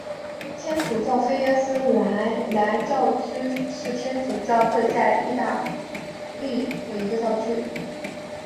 天主教菲耶索莱教区是天主教会在义大利的一个教区。